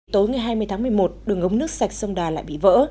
tối ngày hai mươi tháng một mươi một đường ống nước sạch sông đà lại bị vỡ